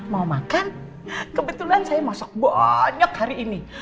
mau makan kebetulan saya masak banyak hari ini